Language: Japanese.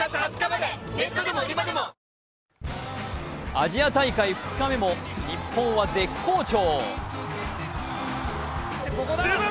アジア大会２日目も日本は絶好調。